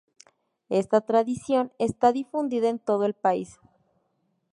Esta tradición está difundida en todo el país.